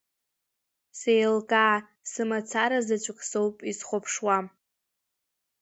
Сеилкаа, сымацара заҵәык соуп изхәаԥшуа.